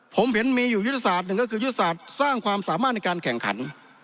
ผมเห็นมีอยู่ยุทธศาสตร์หนึ่งก็คือยุทธศาสตร์สร้างความสามารถในการแข่งขัน